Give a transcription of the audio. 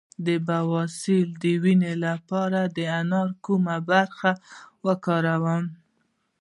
د بواسیر د وینې لپاره د انار کومه برخه وکاروم؟